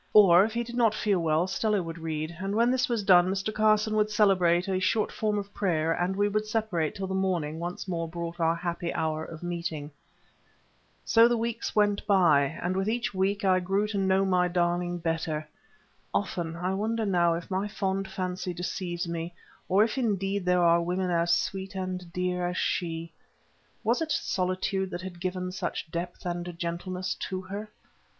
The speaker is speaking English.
Or, if he did not feel well, Stella would read, and when this was done, Mr. Carson would celebrate a short form of prayer, and we would separate till the morning once more brought our happy hour of meeting. So the weeks went by, and with every week I grew to know my darling better. Often, I wonder now, if my fond fancy deceives me, or if indeed there are women as sweet and dear as she. Was it solitude that had given such depth and gentleness to her?